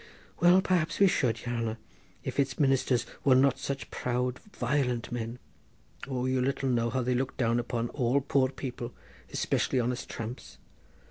"Well, perhaps we should, yere hanner, if its ministers were not such proud violent men. O, you little know how they look down upon all poor people, especially on us tramps.